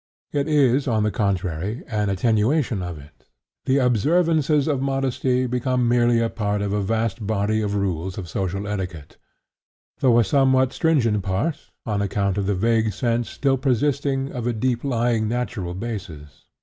It is, on the contrary, an attenuation of it. The observances of modesty become merely a part of a vast body of rules of social etiquette, though a somewhat stringent part on account of the vague sense still persisting of a deep lying natural basis.